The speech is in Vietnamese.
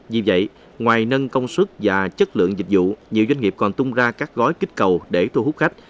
vì vậy ngoài nâng công suất và chất lượng dịch vụ nhiều doanh nghiệp còn tung ra các gói kích cầu để thu hút khách